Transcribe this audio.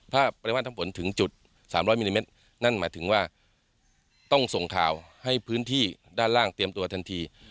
ถ้าปริมาณน้ำฝนถึงจุด๓๐๐มิลลิเมตรนั่นหมายถึงว่าต้องส่งข่าวให้พื้นที่ด้านล่างเตรียมตัวทันที